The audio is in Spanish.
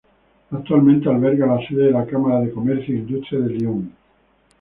Actualmente alberga la sede de la cámara de comercio e industria de Lyon.